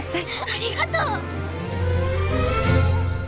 ありがとう！